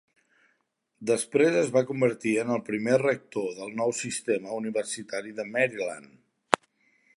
Després es va convertir en el primer rector del nou sistema universitari de Maryland.